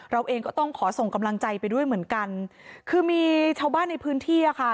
เราเองก็ต้องขอส่งกำลังใจไปด้วยเหมือนกันคือมีชาวบ้านในพื้นที่อ่ะค่ะ